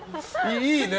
いいね。